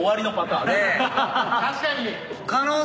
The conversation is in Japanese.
・確かに。